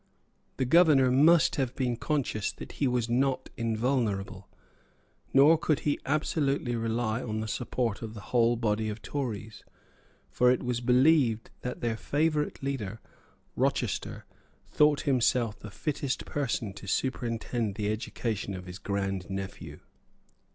The Governor must have been conscious that he was not invulnerable; nor could he absolutely rely on the support of the whole body of Tories; for it was believed that their favourite leader, Rochester, thought himself the fittest person to superintend the education of his grand nephew.